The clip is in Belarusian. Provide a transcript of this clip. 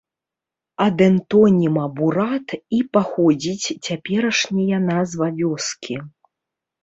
Ад этноніма бурат і паходзіць цяперашняя назва вёскі.